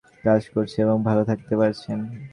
দেখবেন ভেতর থেকে ভালো লাগা কাজ করছে এবং ভালো থাকতে পারছেন।